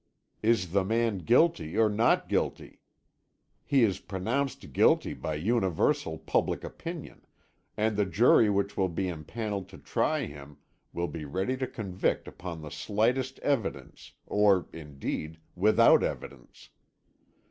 Is the man guilty or not guilty? He is pronounced guilty by universal public opinion, and the jury which will be empannelled to try him will be ready to convict upon the slightest evidence, or, indeed, without evidence.